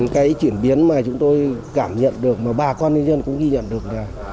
cái chuyển biến mà chúng tôi cảm nhận được mà bà con nhân dân cũng ghi nhận được là